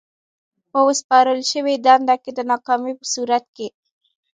په ورسپارل شوې دنده کې د ناکامۍ په صورت کې.